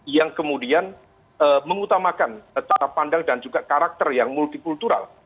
yang kemudian mengutamakan cara pandang dan juga karakter yang multikultural